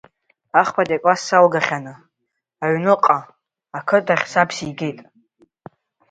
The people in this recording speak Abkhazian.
Ахԥатәи акласс салгахьаны, аҩныҟа, ақыҭахь саб сигеит.